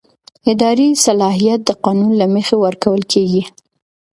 اداري صلاحیت د قانون له مخې ورکول کېږي.